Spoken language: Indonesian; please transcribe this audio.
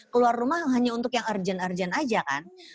keluar rumah hanya untuk yang urgent urgent aja kan